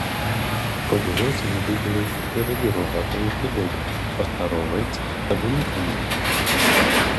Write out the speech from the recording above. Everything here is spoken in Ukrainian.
По дорозі надибали череди рогатої худоби, отару овець, табуни коней.